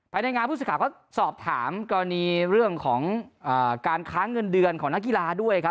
ในงานผู้สื่อข่าวก็สอบถามกรณีเรื่องของการค้างเงินเดือนของนักกีฬาด้วยครับ